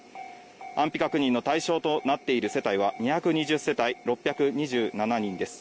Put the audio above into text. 安否確認の対象となっている世帯は２２０世帯、６２７人です。